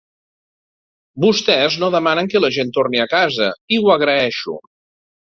Vostès no demanen que la gent torni a casa, i ho agraeixo.